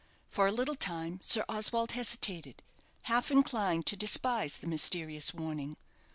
For a little time Sir Oswald hesitated, half inclined to despise the mysterious warning.